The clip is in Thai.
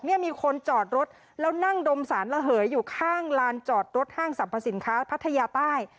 มีคนจอดรถแล้วนั่งดมสารระเหยอยู่ข้างลานจอดรถห้างสรรพสินค้าพัทยาใต้